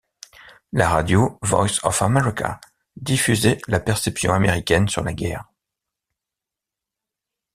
La radio Voice of America diffusait la perception américaine sur la guerre.